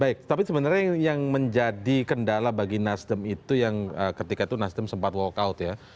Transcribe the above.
baik tapi sebenarnya yang menjadi kendala bagi nasdem itu yang ketika itu nasdem sempat walk out ya